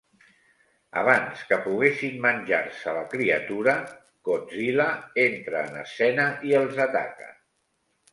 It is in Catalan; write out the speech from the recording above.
Abans que poguessin menjar-se la criatura, Godzilla entra en escena i els ataca.